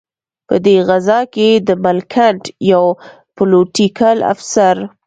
په دې غزا کې د ملکنډ یو پلوټیکل افسر.